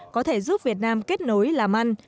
có thể giúp việt nam kết nối làm ăn